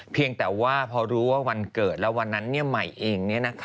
เพียงแต่ว่าพอรู้ว่าวันเกิดแล้ววันนั้นใหม่เอง